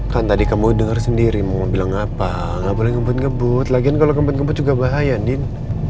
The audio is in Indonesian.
kan tadi kamu dengar sendiri mau bilang apa nggak boleh ngebut ngebut lagian kalau kempen kebut juga bahaya din